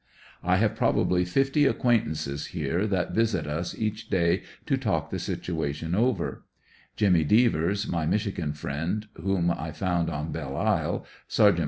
I have probably fifty acquaintances here that visit us each day to talk the situation over, elimmy Devers, my Michigan friend whom I found on Belle Isle, Sergt.